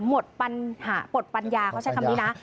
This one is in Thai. หมดปัญหาหมดปัญญาเขาใช้คำนี้นะ